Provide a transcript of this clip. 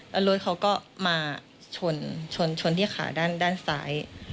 แล้วรถเขาก็มาชนชนที่ขาด้านซ้าย